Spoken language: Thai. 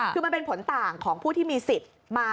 คือมันเป็นผลต่างของผู้ที่มีสิทธิ์มา